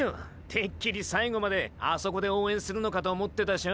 てっきり最後まであそこで応援するのかと思ってたショ。